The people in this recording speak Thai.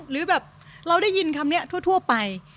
หรือแบบเราได้ยินคำนี้ทั่วไป